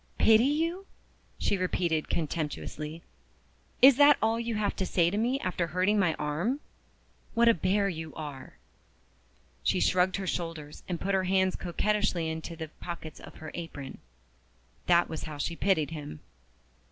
"Pity you?" she repeated contemptuously. "Is that all you have to say to me after hurting my arm? What a bear you are!" She shrugged her shoulders and put her hands coquettishly into the pockets of her apron. That was how she pitied him!